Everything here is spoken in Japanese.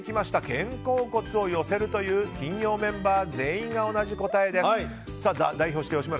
肩甲骨を寄せるという金曜メンバー全員が同じ答えです。